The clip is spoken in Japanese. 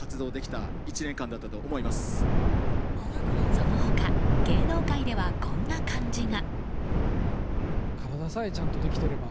その他、芸能界ではこんな漢字が。